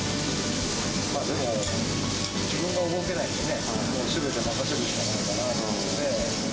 でも、自分が動けないんでね、すべて任せるしかないかなと思って。